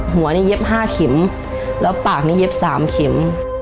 หัวนี่เย็บ๕เข็มแล้วปากนี้เย็บ๓เข็ม